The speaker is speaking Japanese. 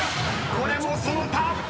これもその他！］